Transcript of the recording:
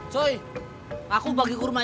coy aku bagi kurma nabi